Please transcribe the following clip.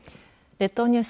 列島ニュース